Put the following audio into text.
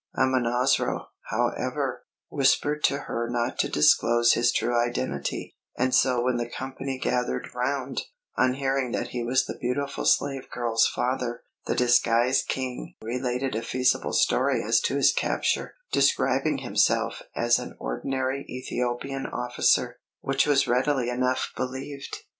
Amonasro, however, whispered to her not to disclose his true identity; and so when the company gathered round, on hearing that he was the beautiful slave girl's father, the disguised king related a feasible story as to his capture, describing himself as an ordinary Ethiopian officer, which was readily enough believed.